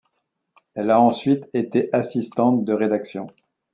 Elle a ensuite été assistante de rédaction.